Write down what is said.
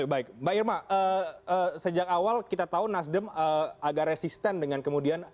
baik mbak irma sejak awal kita tahu nasdem agak resisten dengan kemudian